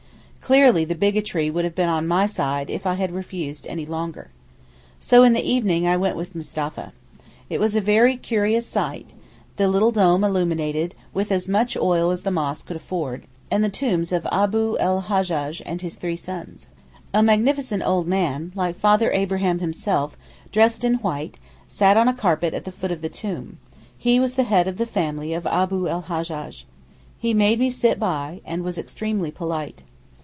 Clearly the bigotry would have been on my side if I had refused any longer. So in the evening I went with Mustapha. It was a very curious sight, the little dome illuminated with as much oil as the mosque could afford, and the tombs of Abu l Hajjaj and his three sons. A magnificent old man, like Father Abraham himself, dressed in white, sat on a carpet at the foot of the tomb; he was the head of the family of Abu l Hajjaj. He made me sit by, and was extremely polite.